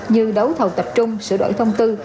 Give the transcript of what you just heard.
như đấu thầu tập trung sửa đổi thông tư